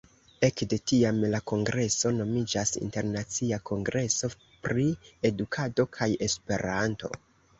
Ekde tiam, la kongreso nomiĝas Internacia Kongreso pri Edukado kaj Esperanto.